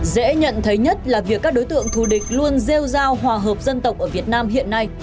dễ nhận thấy nhất là việc các đối tượng thù địch luôn rêu giao hòa hợp dân tộc ở việt nam hiện nay